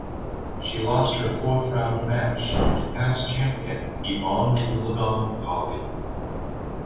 She lost her fourth round match to past champion Evonne Goolagong Cawley.